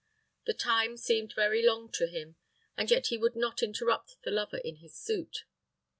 The time seemed very long to him, and yet he would not interrupt the lover in his suit.